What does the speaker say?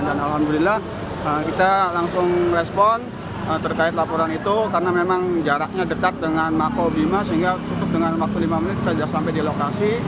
dan alhamdulillah kita langsung respon terkait laporan itu karena memang jaraknya dekat dengan mako bima sehingga cukup dengan waktu lima menit kita sudah sampai di lokasi